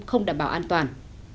không đảm bảo an toàn